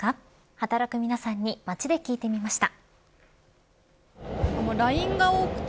働く皆さんに街で聞いてみました。